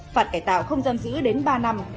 phạt cải tạo không giam giữ đến ba năm